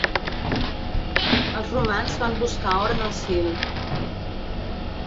Els romans van buscar or en el Sil.